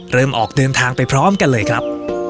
เริ่มออกเดินทางไปพร้อมกันเลยครับ